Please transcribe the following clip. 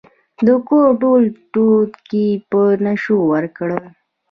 د کور ټول توکي یې په نشو ورکړل.